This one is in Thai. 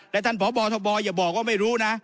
และท่านพบทบอย่าบอกว่าไม่รู้นะ